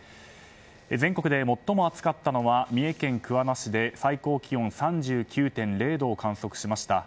全国で最も暑かったのは三重県桑名市で最高気温３９．０度を観測しました。